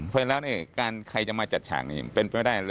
พอแล้วใครจะมาจัดฉากนี้เป็นไปไม่ได้